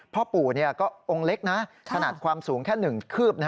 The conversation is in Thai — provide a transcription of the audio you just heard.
พ่อปู่ก็องค์เล็กนะขนาดความสูงแค่๑คืบ